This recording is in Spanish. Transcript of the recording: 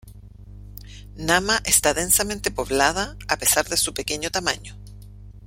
Nama está densamente poblada a pesar de su pequeño tamaño.